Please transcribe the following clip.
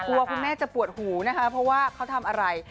คุณแม่จะปวดหูนะคะเพราะว่าเขาทำอะไร